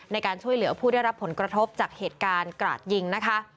ในการช่วยเหลือผู้ได้รับผลกระทบจากเหตุการณ์กราดยิงนะคะ